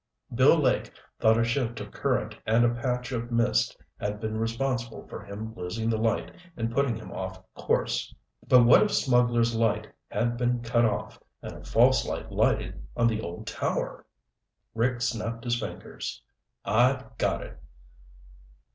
Bill Lake thought a shift of current and a patch of mist had been responsible for him losing the light and putting him off course. But what if Smugglers' Light had been cut off and a false light lighted on the old tower? Rick snapped his fingers. "I've got it!"